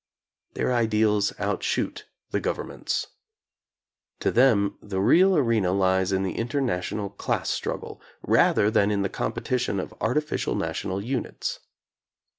Their ideals outshoot the government's. To them the real arena lies in the international class strug gle, rather than in the competition of artificial na tional units.